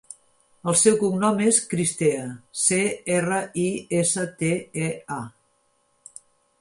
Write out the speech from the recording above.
El seu cognom és Cristea: ce, erra, i, essa, te, e, a.